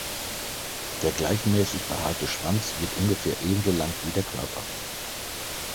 Der gleichmäßig behaarte Schwanz wird ungefähr ebenso lang wie der Körper.